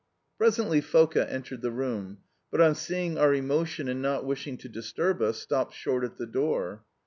Presently Foka entered the room, but, on seeing our emotion and not wishing to disturb us, stopped short at the door.